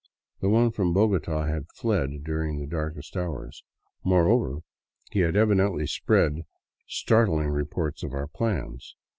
The one from Bogota had fled during the darkest hours. Moreover, he had evidently spread startling reports of our plans.